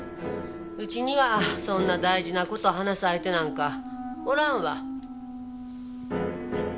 うちにはそんな大事な事話す相手なんかおらんわ。